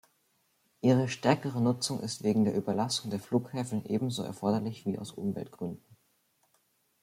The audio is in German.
Ihre stärkere Nutzung ist wegen der Überlastung der Flughäfen ebenso erforderlich wie aus Umweltgründen.